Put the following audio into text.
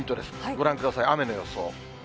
ご覧ください、雨の予想。